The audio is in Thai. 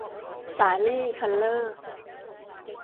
สาลี่ คัลเล่อร์